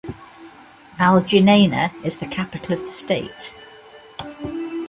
Al-Junaynah is the capital of the state.